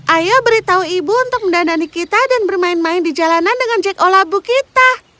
ayo beritahu ibu untuk mendandani kita dan bermain main di jalanan dengan jack o labu kita